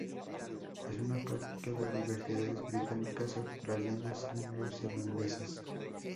Es una práctica de universidades británicas, australianas y neozelandesas.